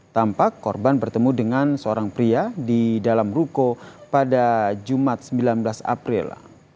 tampak korban bertemu dengan seorang pria di dalam ruko pada jumat sembilan belas april